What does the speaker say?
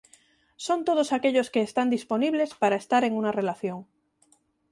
Son todos aquellos que están disponibles para estar en una relación.